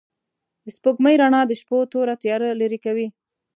د سپوږمۍ رڼا د شپو توره تياره لېرې کوي.